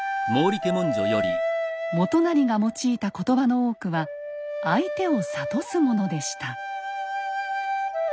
元就が用いた言葉の多くは相手を諭すものでした。